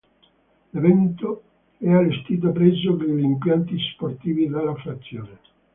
L'evento è allestito presso gli impianti sportivi della frazione.